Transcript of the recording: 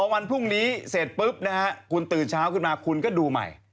วันพรุ่งนี้เสร็จปุ๊บนะฮะคุณตื่นเช้าขึ้นมาคุณก็ดูใหม่